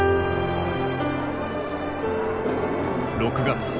６月。